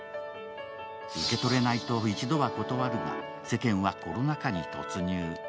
受け取れないと一度は断るが、世間はコロナ禍に突入。